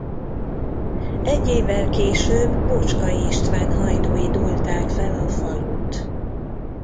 Egy évvel később Bocskai István hajdúi dúlták fel a falut.